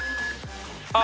あっ。